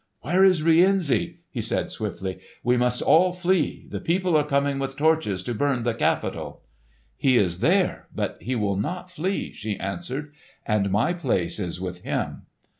"Where is Rienzi?" he said swiftly. "We must all flee! The people are coming with torches to burn the Capitol!" "He is there, but he will not flee," she answered; "and my place is with him."